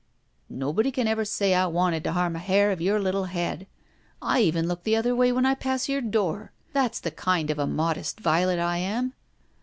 "Nobody can ever say I wanted to harm a hair of your little head. I even look the other way when I pass your door. That's the kind of a modest violet I am."